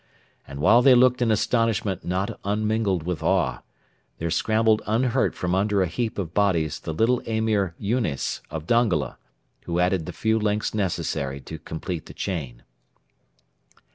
And while they looked in astonishment not unmingled with awe, there scrambled unhurt from under a heap of bodies the little Emir Yunes, of Dongola, who added the few links necessary to complete the chain.